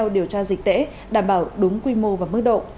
dịch tễ đảm bảo đúng quy mô và mức độ